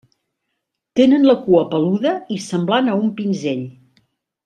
Tenen la cua peluda i semblant a un pinzell.